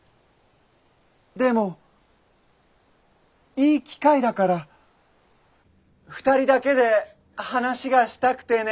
でもいい機会だから２人だけで話がしたくてね。